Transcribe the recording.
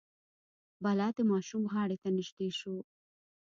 بلا د ماشوم غاړې ته نژدې شو.